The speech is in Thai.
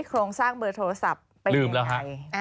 โครงสร้างเบอร์โทรศัพท์เป็นอย่างไรลืมแล้วค่ะ